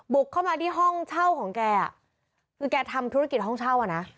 เข้ามาที่ห้องเช่าของแกอ่ะคือแกทำธุรกิจห้องเช่าอ่ะนะ